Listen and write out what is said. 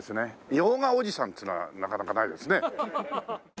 「用賀おじさん」っていうのはなかなかないですね。